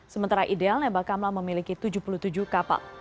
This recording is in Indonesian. sementara idealnya bakamla memiliki tujuh puluh tujuh kapal